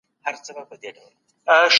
د اقتصادي ترقي مانا څه ده؟